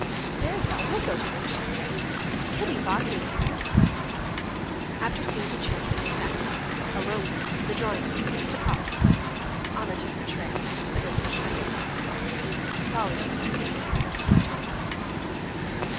"Very well, we will go to them," she said. "It's a pity Vassya's asleep." After seeing the children, they sat down, alone now, in the drawing room, to coffee. Anna took the tray, and then pushed it away from her. "Dolly," she said, "he has told me."